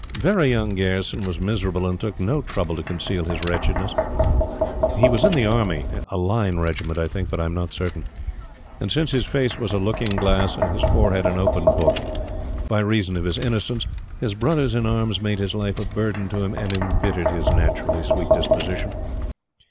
"Very Young" Gayerson was miserable, and took no trouble to conceal his wretchedness. He was in the Army a Line regiment I think, but am not certain and, since his face was a looking glass and his forehead an open book, by reason of his innocence, his brothers in arms made his life a burden to him and embittered his naturally sweet disposition.